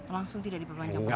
langsung tidak diperpanjang paspor